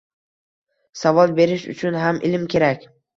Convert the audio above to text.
Savol berish uchun ham ilm kerak.